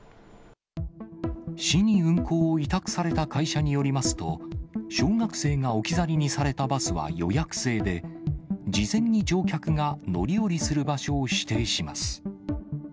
市に運行を委託された会社によりますと、小学生が置き去りにされたバスは予約制で、事前に乗客が乗り降りする場所を指定します。